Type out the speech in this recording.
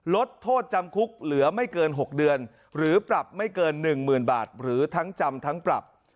ลดโทษจำคุกเหลือไม่เกิน๖เดือนหรือปรับไม่เกิน๑๐๐๐บาทหรือทั้งจำทั้งปรับ